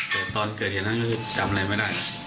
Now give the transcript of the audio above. แต่ตอนเกิดเหตุนั้นคือจำอะไรไม่ได้